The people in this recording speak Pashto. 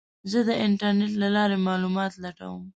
زه د انټرنیټ له لارې معلومات لټوم.